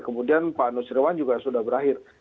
kemudian pak nusirwan juga sudah berakhir